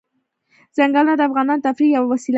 ځنګلونه د افغانانو د تفریح یوه وسیله ده.